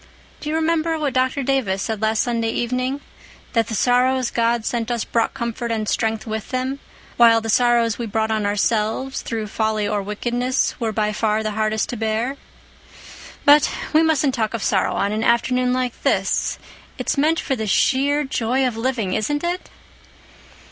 Do you remember what Dr. Davis said last Sunday evening—that the sorrows God sent us brought comfort and strength with them, while the sorrows we brought on ourselves, through folly or wickedness, were by far the hardest to bear? But we mustn't talk of sorrow on an afternoon like this. It's meant for the sheer joy of living, isn't it?"